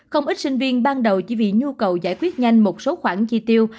không ít sinh viên ban đầu chỉ vì nhu cầu giải quyết nhanh một số khoản chi tiêu